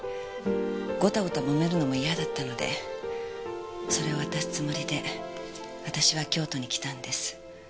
ゴタゴタ揉めるのも嫌だったのでそれを渡すつもりで私は京都に来たんです。